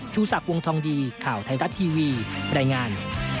ชูศักดิ์วงทองดีข่าวไทยรัฐทีวีรายงาน